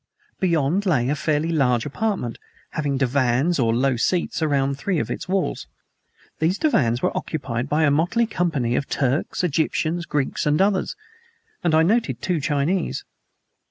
Beyond lay a fairly large apartment, having divans or low seats around three of its walls. These divans were occupied by a motley company of Turks, Egyptians, Greeks, and others; and I noted two Chinese.